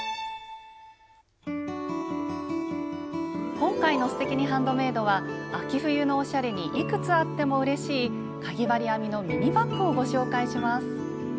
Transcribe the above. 今回の「すてきにハンドメイド」は秋冬のおしゃれにいくつあってもうれしいかぎ針編みのミニバッグをご紹介します。